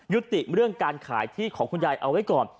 เรื่องการขายที่ของคุณยายเอาไว้ก่อน